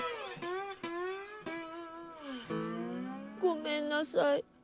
ごめんなさい。